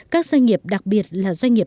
các doanh nghiệp đặc biệt là doanh nghiệp